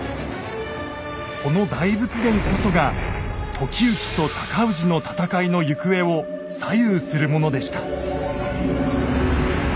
この大仏殿こそが時行と尊氏の戦いの行方を左右するものでした。